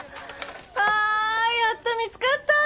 ああやっと見つかった。